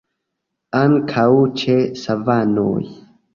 Ankaŭ ĉe savanoj.